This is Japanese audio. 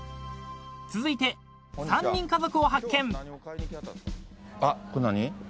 ［続いて３人家族を発見］